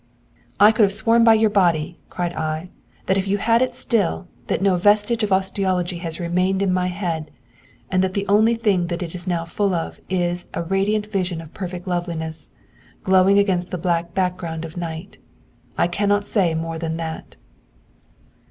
'I could have sworn by your body,' cried I, 'if you had it still, that no vestige of osteology has remained in my head, and that the only thing that it is now full of is a radiant vision of perfect loveliness, glowing against the black background of night. I cannot say more than that.'